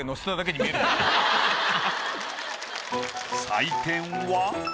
採点は。